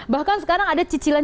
bahkan sekarang ada cicilan